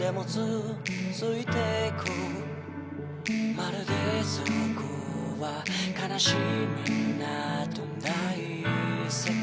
「まるでそこは悲しみなどない世界」